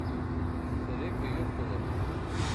Эстэре көйөк булыр.